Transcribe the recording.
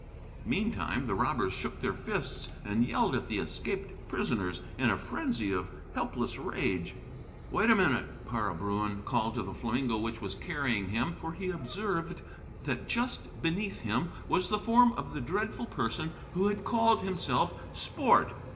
Meantime the robbers shook their fists and yelled at the escaped prisoners in a frenzy of helpless rage. "Wait a minute!" Para Bruin called to the flamingo which was carrying him; for he observed that just beneath him was the form of the dreadful person who had called himself Sport.